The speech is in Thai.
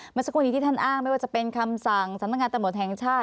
เมื่อสักครู่นี้ที่ท่านอ้างไม่ว่าจะเป็นคำสั่งสำนักงานตำรวจแห่งชาติ